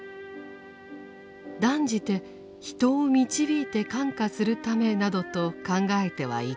断じて人を導いて感化するためなどと考えてはいけない。